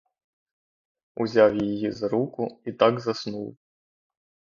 Узяв її за руку і так заснув.